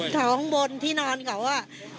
เผาข้างบนที่นอนกับอ่ะ